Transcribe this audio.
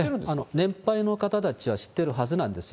年配の方たちは知ってるはずなんですね。